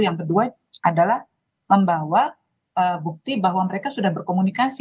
yang kedua adalah membawa bukti bahwa mereka sudah berkomunikasi